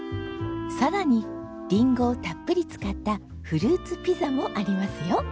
さらにリンゴをたっぷり使ったフルーツピザもありますよ。